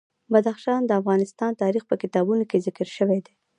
بدخشان د افغان تاریخ په کتابونو کې ذکر شوی دي.